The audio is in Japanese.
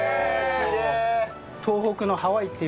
きれい！